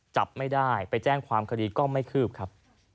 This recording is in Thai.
จับไม่ได้ไปแจ้งความคดีก็ไม่คืบครับ